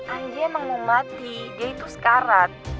andi emang mau mati dia itu sekarat